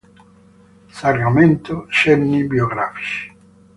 Sacramento: cenni biografici".